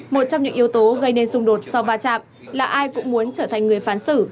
một trong những yếu tố gây nên xung đột sau va chạm là ai cũng muốn trở thành người phán xử